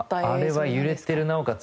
あれは揺れてるなおかつ